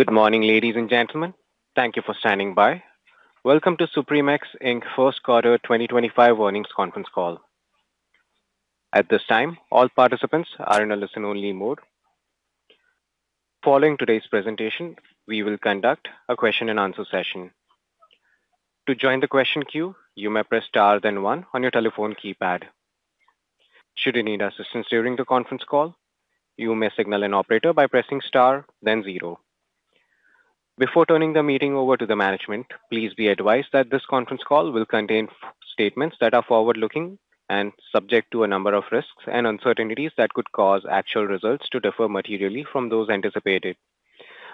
Good morning, ladies and gentlemen. Thank you for standing by. Welcome to Supremex First Quarter 2025 Earnings Conference Call. At this time, all participants are in a listen-only mode. Following today's presentation, we will conduct a question-and-answer session. To join the question queue, you may press star then one on your telephone keypad. Should you need assistance during the conference call, you may signal an operator by pressing star then zero. Before turning the meeting over to the management, please be advised that this conference call will contain statements that are forward-looking and subject to a number of risks and uncertainties that could cause actual results to differ materially from those anticipated.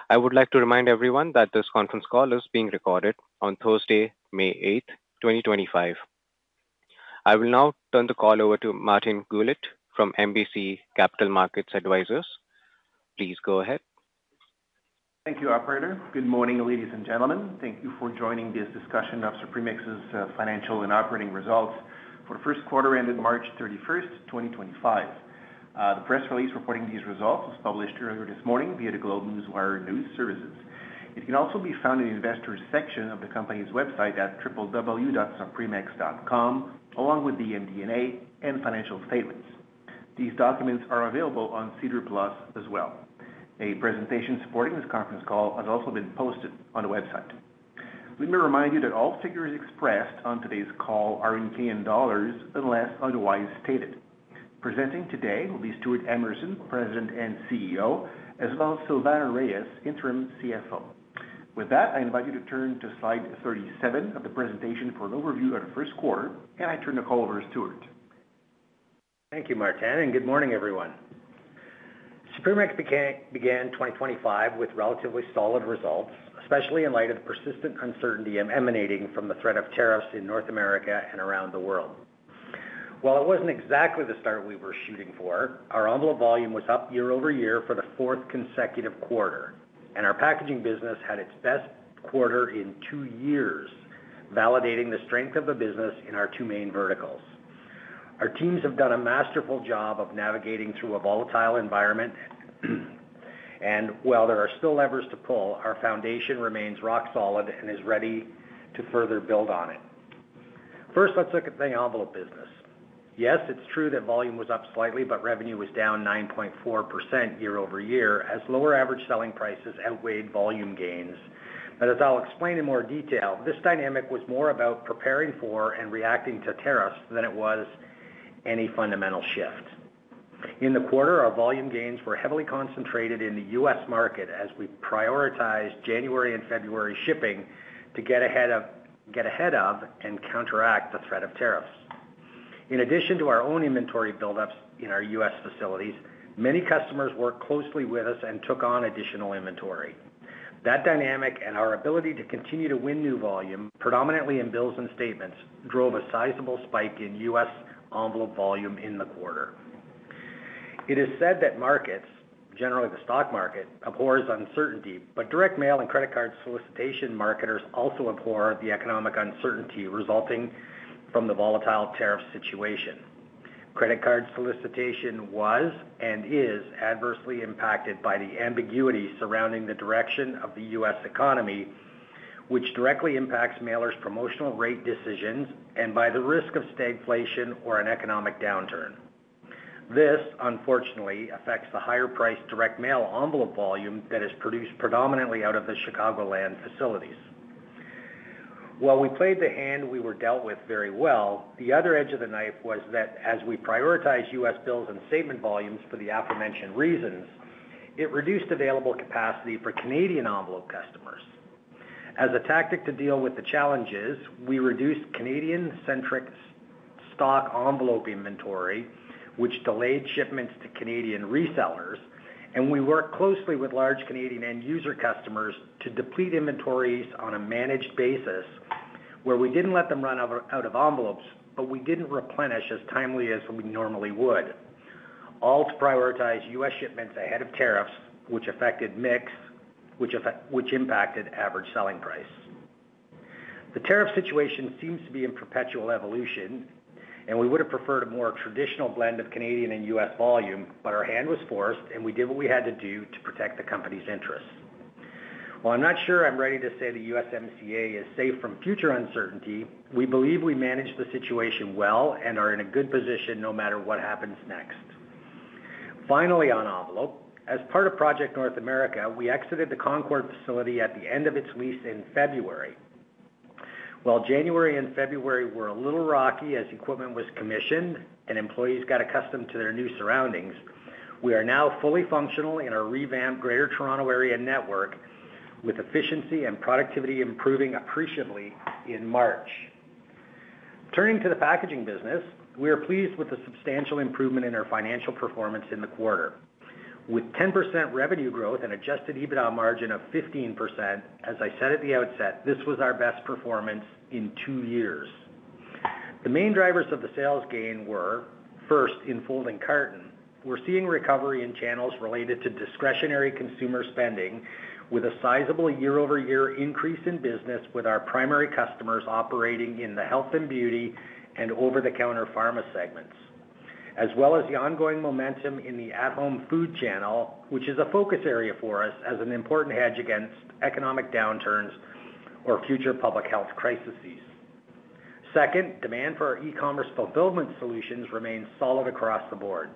I would like to remind everyone that this conference call is being recorded on Thursday, May 8th, 2025. I will now turn the call over to Martin Goulet from MBC Capital Markets Advisors. Please go ahead. Thank you, Operator. Good morning, ladies and gentlemen. Thank you for joining this discussion of Supremex's financial and operating results for the first quarter ended March 31, 2025. The press release reporting these results was published earlier this morning via the Globe Newswire news services. It can also be found in the investors' section of the company's website at www.supremex.com, along with the MD&A and financial statements. These documents are available on SEDAR Plus as well. A presentation supporting this conference call has also been posted on the website. We may remind you that all figures expressed on today's call are in CAD unless otherwise stated. Presenting today will be Stewart Emerson, President and CEO, as well as Suzanne Reyes, Interim CFO. With that, I invite you to turn to slide 37 of the presentation for an overview of the first quarter, and I turn the call over to Stewart. Thank you, Martin, and good morning, everyone. Supremex began 2025 with relatively solid results, especially in light of the persistent uncertainty emanating from the threat of tariffs in North America and around the world. While it was not exactly the start we were shooting for, our envelope volume was up year-over-year for the fourth consecutive quarter, and our packaging business had its best quarter in two years, validating the strength of the business in our two main verticals. Our teams have done a masterful job of navigating through a volatile environment, and while there are still levers to pull, our foundation remains rock solid and is ready to further build on it. First, let's look at the envelope business. Yes, it is true that volume was up slightly, but revenue was down 9.4% year- over-year as lower average selling prices outweighed volume gains. As I'll explain in more detail, this dynamic was more about preparing for and reacting to tariffs than it was any fundamental shift. In the quarter, our volume gains were heavily concentrated in the U.S. market as we prioritized January and February shipping to get ahead of and counteract the threat of tariffs. In addition to our own inventory buildups in our U.S. facilities, many customers worked closely with us and took on additional inventory. That dynamic and our ability to continue to win new volume, predominantly in bills and statements, drove a sizable spike in U.S. envelope volume in the quarter. It is said that markets, generally the stock market, abhor uncertainty, but direct mail and credit card solicitation marketers also abhor the economic uncertainty resulting from the volatile tariff situation. Credit card solicitation was and is adversely impacted by the ambiguity surrounding the direction of the U.S. Economy, which directly impacts mailers' promotional rate decisions and by the risk of stagflation or an economic downturn. This, unfortunately, affects the higher-priced direct mail envelope volume that is produced predominantly out of the Chicagoland facilities. While we played the hand we were dealt with very well, the other edge of the knife was that as we prioritized U.S. bills and statement volumes for the aforementioned reasons, it reduced available capacity for Canadian envelope customers. As a tactic to deal with the challenges, we reduced Canadian-centric stock envelope inventory, which delayed shipments to Canadian resellers, and we worked closely with large Canadian end-user customers to deplete inventories on a managed basis where we did not let them run out of envelopes, but we did not replenish as timely as we normally would, all to prioritize U.S. shipments ahead of tariffs, which impacted average selling price. The tariff situation seems to be in perpetual evolution, and we would have preferred a more traditional blend of Canadian and U.S. volume, but our hand was forced, and we did what we had to do to protect the company's interests. While I'm not sure I'm ready to say the U.S. MCA is safe from future uncertainty, we believe we managed the situation well and are in a good position no matter what happens next. Finally, on envelope, as part of Project North America, we exited the Concord facility at the end of its lease in February. While January and February were a little rocky as equipment was commissioned and employees got accustomed to their new surroundings, we are now fully functional in our revamped Greater Toronto Area network, with efficiency and productivity improving appreciably in March. Turning to the packaging business, we are pleased with the substantial improvement in our financial performance in the quarter. With 10% revenue growth and adjusted EBITDA margin of 15%, as I said at the outset, this was our best performance in two years. The main drivers of the sales gain were, first, in folding carton, we're seeing recovery in channels related to discretionary consumer spending, with a sizable year-over-year increase in business with our primary customers operating in the health and beauty and over-the-counter pharma segments, as well as the ongoing momentum in the at-home food channel, which is a focus area for us as an important hedge against economic downturns or future public health crises. Second, demand for our e-commerce fulfillment solutions remains solid across the board.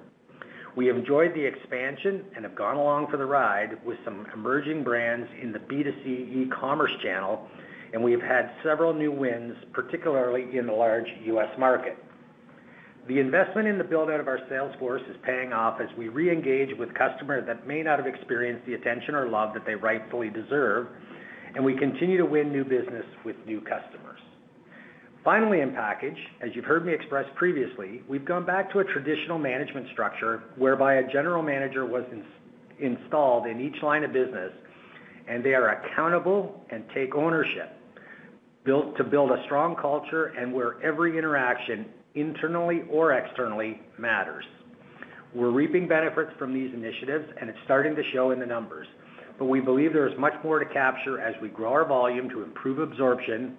We have enjoyed the expansion and have gone along for the ride with some emerging brands in the B2C e-commerce channel, and we have had several new wins, particularly in the large U.S. market. The investment in the buildout of our sales force is paying off as we re-engage with customers that may not have experienced the attention or love that they rightfully deserve, and we continue to win new business with new customers. Finally, in package, as you've heard me express previously, we've gone back to a traditional management structure whereby a General Manager was installed in each line of business, and they are accountable and take ownership to build a strong culture and where every interaction, internally or externally, matters. We're reaping benefits from these initiatives, and it's starting to show in the numbers, but we believe there is much more to capture as we grow our volume to improve absorption,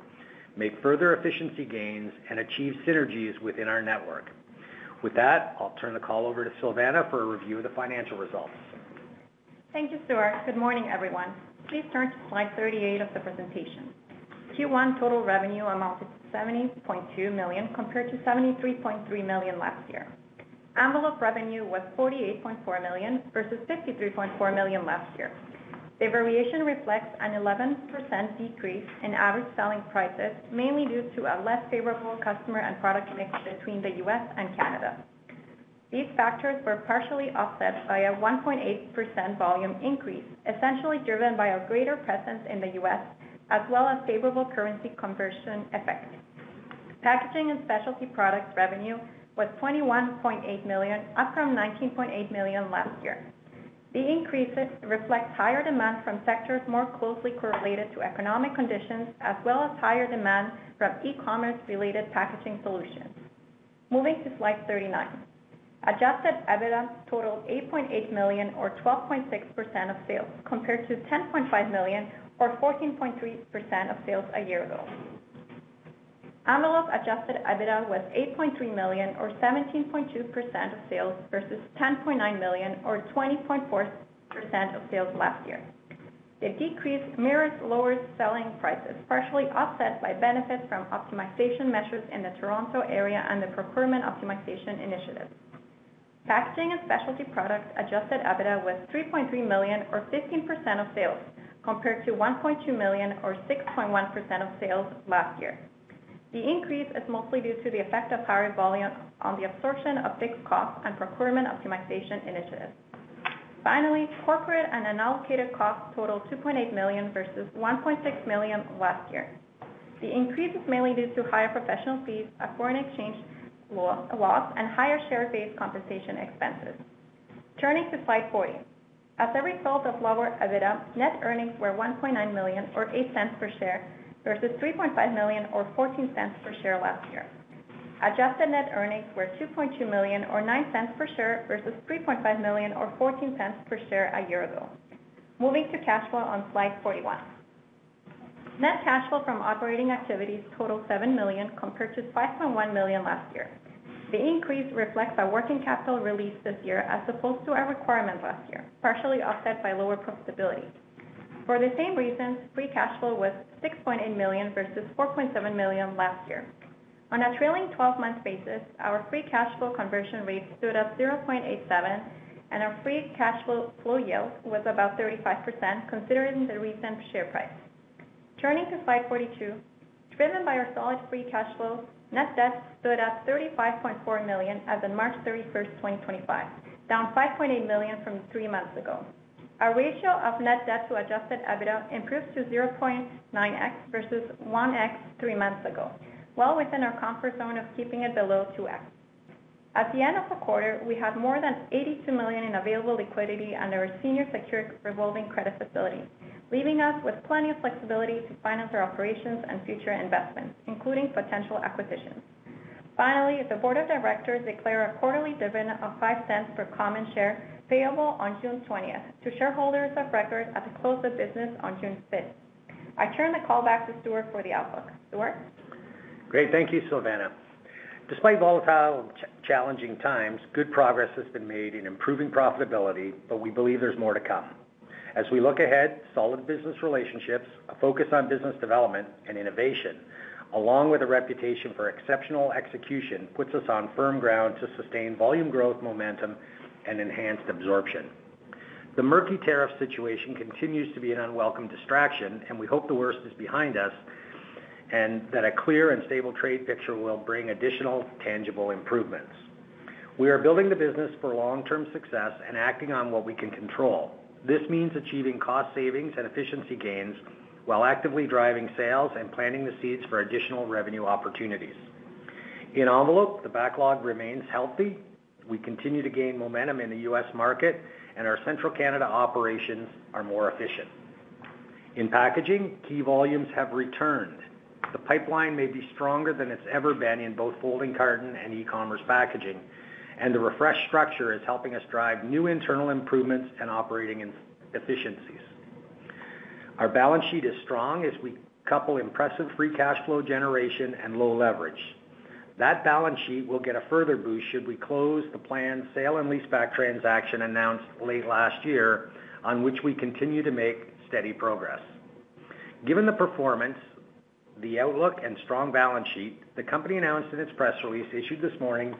make further efficiency gains, and achieve synergies within our network. With that, I'll turn the call over to Silvana for a review of the financial results. Thank you, Stewart. Good morning, everyone. Please turn to slide 38 of the presentation. Q1 total revenue amounted to 70.2 million compared to 73.3 million last year. Envelope revenue was 48.4 million versus 53.4 million last year. The variation reflects an 11% decrease in average selling prices, mainly due to a less favorable customer and product mix between the U.S. and Canada. These factors were partially offset by a 1.8% volume increase, essentially driven by a greater presence in the U.S. as well as favorable currency conversion effects. Packaging and specialty products revenue was 21.8 million, up from 19.8 million last year. The increase reflects higher demand from sectors more closely correlated to economic conditions as well as higher demand from e-commerce-related packaging solutions. Moving to slide 39, adjusted EBITDA totaled 8.8 million, or 12.6% of sales, compared to 10.5 million, or 14.3% of sales a year ago. Envelope adjusted EBITDA was 8.3 million, or 17.2% of sales, versus 10.9 million, or 20.4% of sales last year. The decrease mirrors lower selling prices, partially offset by benefits from optimization measures in the Toronto Area and the procurement optimization initiative. Packaging and specialty products adjusted EBITDA was 3.3 million, or 15% of sales, compared to 1.2 million, or 6.1% of sales last year. The increase is mostly due to the effect of higher volume on the absorption of fixed costs and procurement optimization initiatives. Finally, corporate and unallocated costs totaled 2.8 million versus 1.6 million last year. The increase is mainly due to higher professional fees, a foreign exchange loss, and higher share-based compensation expenses. Turning to slide 40, as a result of lower EBITDA, net earnings were CAD 1.9 million, or 8 cents per share, versus CAD 3.5 million, or 0.14 per share last year. Adjusted net earnings were CAD 2.2 million, or 0.09 per share, versus CAD 3.5 million, or 0.14 per share a year ago. Moving to cash flow on slide 41, net cash flow from operating activities totaled 7 million, compared to 5.1 million last year. The increase reflects our working capital release this year as opposed to our requirement last year, partially offset by lower profitability. For the same reasons, free cash flow was 6.8 million versus 4.7 million last year. On a trailing 12-month basis, our free cash flow conversion rate stood at 0.87, and our free cash flow yield was about 35%, considering the recent share price. Turning to slide 42, driven by our solid free cash flow, net debt stood at 35.4 million as of March 31, 2025, down 5.8 million from three months ago. Our ratio of net debt to adjusted EBITDA improves to 0.9x versus 1x three months ago, well within our comfort zone of keeping it below 2x. At the end of the quarter, we had more than 82 million in available liquidity under a senior secured revolving credit facility, leaving us with plenty of flexibility to finance our operations and future investments, including potential acquisitions. Finally, the board of directors declared a quarterly dividend of 0.05 per common share payable on June 20th to shareholders of record at the close of business on June 5th. I turn the call back to Stewart for the outlook. Stuart. Great. Thank you, Silvana. Despite volatile and challenging times, good progress has been made in improving profitability, but we believe there is more to come. As we look ahead, solid business relationships, a focus on business development and innovation, along with a reputation for exceptional execution, puts us on firm ground to sustain volume growth momentum and enhanced absorption. The murky tariff situation continues to be an unwelcome distraction, and we hope the worst is behind us and that a clear and stable trade picture will bring additional tangible improvements. We are building the business for long-term success and acting on what we can control. This means achieving cost savings and efficiency gains while actively driving sales and planting the seeds for additional revenue opportunities. In envelope, the backlog remains healthy. We continue to gain momentum in the U.S. market, and our Central Canada operations are more efficient. In packaging, key volumes have returned. The pipeline may be stronger than it's ever been in both folding carton and e-commerce packaging, and the refreshed structure is helping us drive new internal improvements and operating efficiencies. Our balance sheet is strong as we couple impressive free cash flow generation and low leverage. That balance sheet will get a further boost should we close the planned sale-leaseback transaction announced late last year, on which we continue to make steady progress. Given the performance, the outlook, and strong balance sheet, the company announced in its press release issued this morning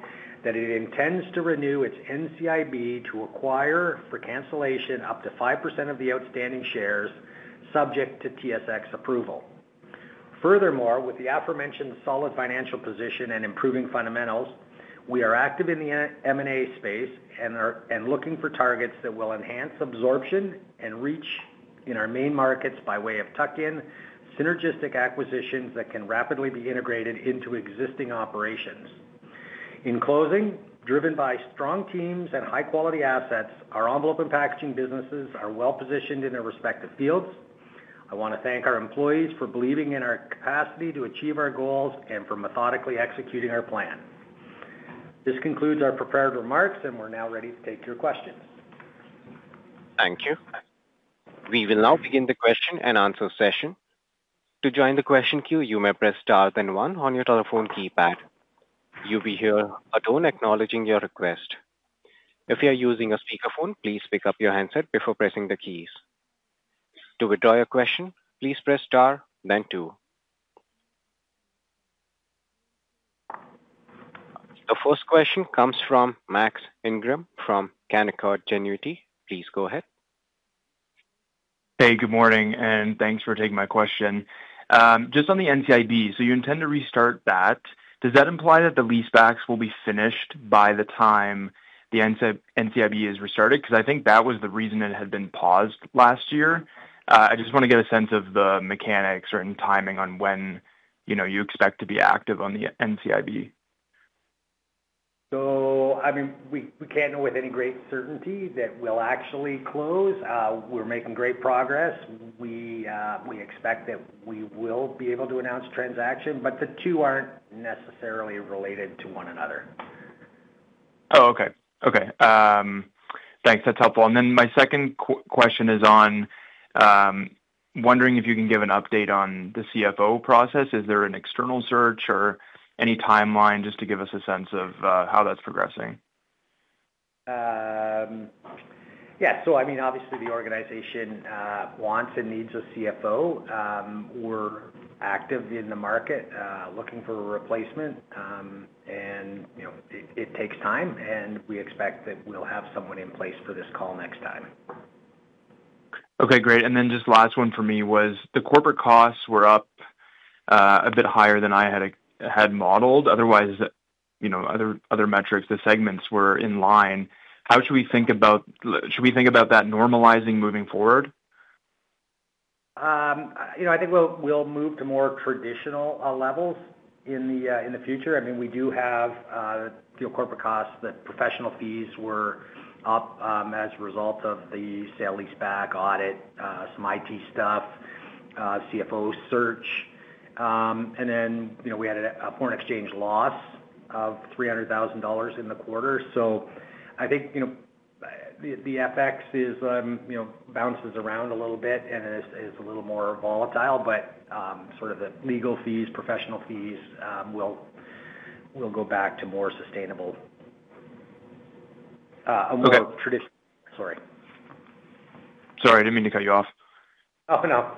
that it intends to renew its NCIB to acquire for cancellation up to 5% of the outstanding shares, subject to TSX approval. Furthermore, with the aforementioned solid financial position and improving fundamentals, we are active in the M&A space and looking for targets that will enhance absorption and reach in our main markets by way of tuck-in, synergistic acquisitions that can rapidly be integrated into existing operations. In closing, driven by strong teams and high-quality assets, our envelope and packaging businesses are well-positioned in their respective fields. I want to thank our employees for believing in our capacity to achieve our goals and for methodically executing our plan. This concludes our prepared remarks, and we're now ready to take your questions. Thank you. We will now begin the question and answer session. To join the question queue, you may press star then one on your telephone keypad. You will be heard at all acknowledging your request. If you are using a speakerphone, please pick up your handset before pressing the keys. To withdraw your question, please press star then two. The first question comes from Max Ingram from Canaccord Genuity. Please go ahead. Hey, good morning, and thanks for taking my question. Just on the NCIB, so you intend to restart that. Does that imply that the lease-backs will be finished by the time the NCIB is restarted? Because I think that was the reason it had been paused last year. I just want to get a sense of the mechanics or timing on when you expect to be active on the NCIB. I mean, we can't know with any great certainty that we'll actually close. We're making great progress. We expect that we will be able to announce transaction, but the two aren't necessarily related to one another. Oh, okay. Thanks. That's helpful. My second question is on wondering if you can give an update on the CFO process. Is there an external search or any timeline just to give us a sense of how that's progressing? Yeah. I mean, obviously, the organization wants and needs a CFO. We're active in the market looking for a replacement, and it takes time, and we expect that we'll have someone in place for this call next time. Okay. Great. Just last one for me was the corporate costs were up a bit higher than I had modeled. Otherwise, other metrics, the segments were in line. How should we think about should we think about that normalizing moving forward? I think we'll move to more traditional levels in the future. I mean, we do have corporate costs, the professional fees were up as a result of the sale-leaseback audit, some IT stuff, CFO search, and then we had a foreign exchange loss of 300,000 dollars in the quarter. I think the FX bounces around a little bit and is a little more volatile, but sort of the legal fees, professional fees will go back to more sustainable. Okay. A more traditional. Sorry. Sorry. I didn't mean to cut you off. Oh, no.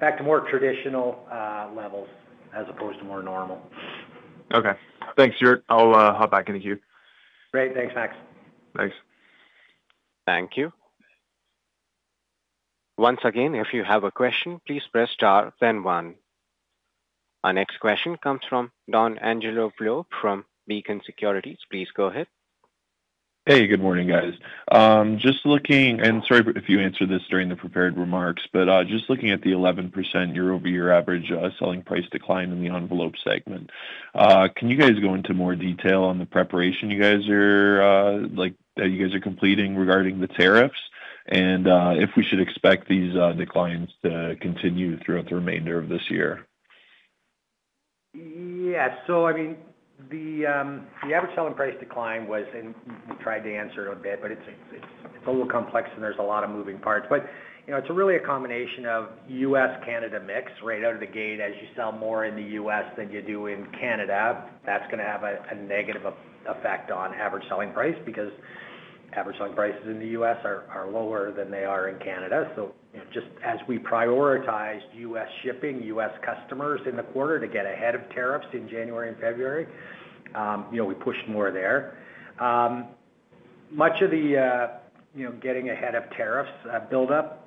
Back to more traditional levels as opposed to more normal. Okay. Thanks, Stuart. I'll hop back into queue. Great. Thanks, Max. Thanks. Thank you. Once again, if you have a question, please press star, then one. Our next question comes from Donangelo Volpe from Beacon Securities. Please go ahead. Hey, good morning, guys. Just looking—and sorry if you answered this during the prepared remarks—but just looking at the 11% year-over-year average selling price decline in the envelope segment, can you guys go into more detail on the preparation you guys are completing regarding the tariffs and if we should expect these declines to continue throughout the remainder of this year? Yeah. I mean, the average selling price decline was—and we tried to answer it a bit—but it's a little complex and there's a lot of moving parts. It's really a combination of U.S.-Canada mix. Right out of the gate, as you sell more in the U.S. than you do in Canada, that's going to have a negative effect on average selling price because average selling prices in the U.S. are lower than they are in Canada. Just as we prioritized U.S. shipping, U.S. customers in the quarter to get ahead of tariffs in January and February, we pushed more there. Much of the getting ahead of tariffs buildup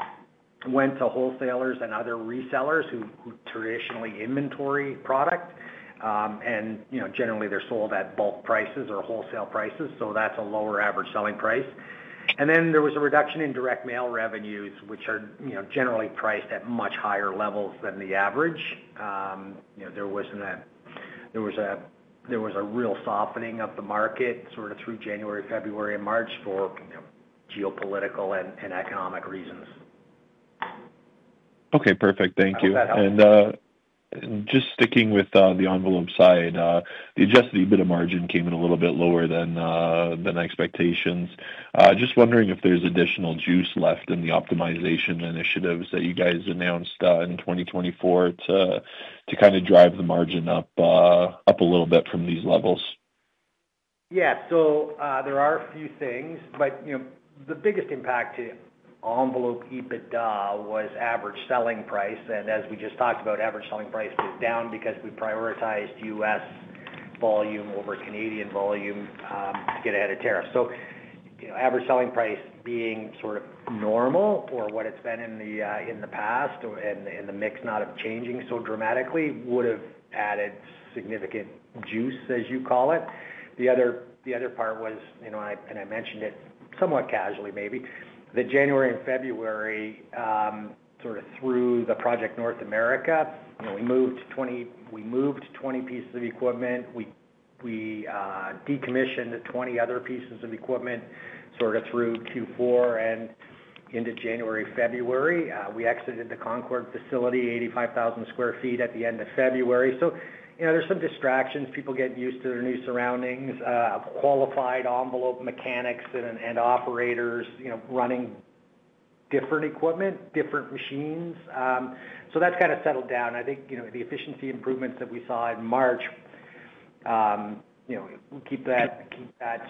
went to wholesalers and other resellers who traditionally inventory product, and generally, they're sold at bulk prices or wholesale prices, so that's a lower average selling price. There was a reduction in direct mail revenues, which are generally priced at much higher levels than the average. There was a real softening of the market sort of through January, February, and March for geopolitical and economic reasons. Okay. Perfect. Thank you. All set up. Just sticking with the envelope side, the adjusted EBITDA margin came in a little bit lower than expectations. Just wondering if there's additional juice left in the optimization initiatives that you guys announced in 2024 to kind of drive the margin up a little bit from these levels. Yeah. There are a few things, but the biggest impact to envelope EBITDA was average selling price. As we just talked about, average selling price is down because we prioritized U.S. volume over Canadian volume to get ahead of tariffs. Average selling price being sort of normal or what it's been in the past and the mix not changing so dramatically would have added significant juice, as you call it. The other part was—I mentioned it somewhat casually, maybe—that January and February, through Project North America, we moved 20 pieces of equipment. We decommissioned 20 other pieces of equipment through Q4. Into January and February, we exited the Concord facility, 85,000 sq ft at the end of February. There are some distractions, people getting used to their new surroundings, qualified envelope mechanics and operators running different equipment, different machines. That's kind of settled down. I think the efficiency improvements that we saw in March will keep that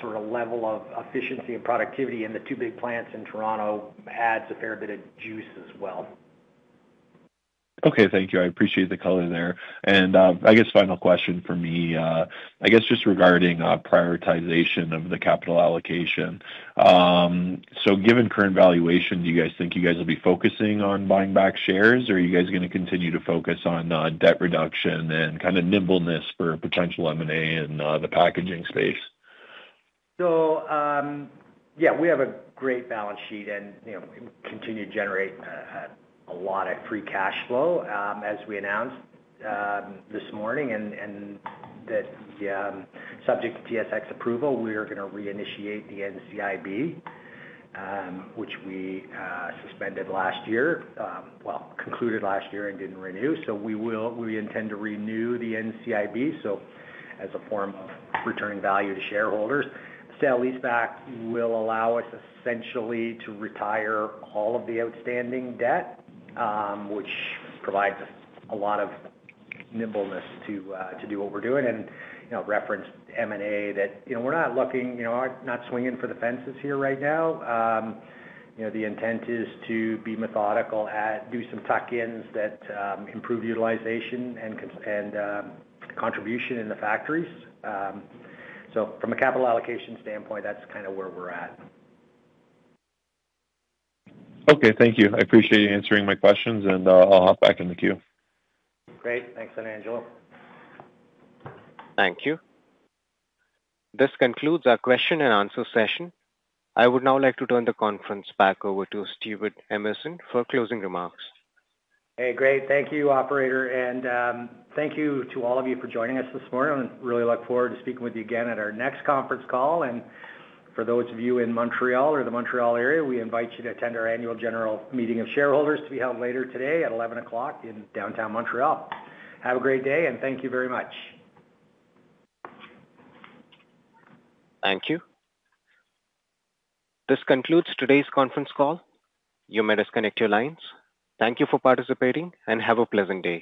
sort of level of efficiency and productivity in the two big plants in Toronto adds a fair bit of juice as well. Okay. Thank you. I appreciate the color there. I guess final question for me, just regarding prioritization of the capital allocation. Given current valuation, do you guys think you guys will be focusing on buying back shares, or are you guys going to continue to focus on debt reduction and kind of nimbleness for potential M&A in the packaging space? Yeah, we have a great balance sheet and continue to generate a lot of free cash flow as we announced this morning. Subject to TSX approval, we are going to reinitiate the NCIB, which we suspended last year, concluded last year and did not renew. We intend to renew the NCIB as a form of returning value to shareholders. Sale-leaseback will allow us essentially to retire all of the outstanding debt, which provides a lot of nimbleness to do what we are doing. Referenced M&A that we are not looking, we are not swinging for the fences here right now. The intent is to be methodical at doing some tuck-ins that improve utilization and contribution in the factories. From a capital allocation standpoint, that is kind of where we are at. Okay. Thank you. I appreciate you answering my questions, and I'll hop back in the queue. Great. Thanks, Donangelo. Thank you. This concludes our question and answer session. I would now like to turn the conference back over to Stewart Emerson for closing remarks. Hey, great. Thank you, Operator. Thank you to all of you for joining us this morning. I really look forward to speaking with you again at our next conference call. For those of you in Montreal or the Montreal area, we invite you to attend our annual general meeting of shareholders to be held later today at 11:00 A.M. in downtown Montreal. Have a great day, and thank you very much. Thank you. This concludes today's conference call. You may disconnect your lines. Thank you for participating, and have a pleasant day.